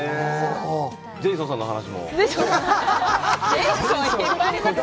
ジェイソンさんの話も？